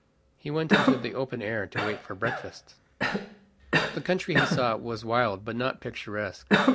he went into the open air to wait for breakfast. The country he saw was wild but not picturesque.